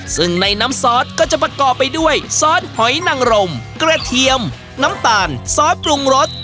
ซึ่งในน้ำซอสก็จะประกอบไปด้วยซอสหอยนังรมกระเทียมน้ำตาลซอสปรุงรส